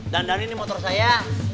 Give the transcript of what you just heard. dandan ini motor saya